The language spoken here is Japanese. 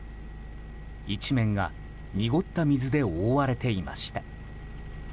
一面が濁った水で覆われていました。